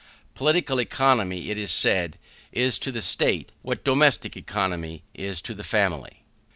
Political Economy, it is said, is to the state, what domestic economy is to the family.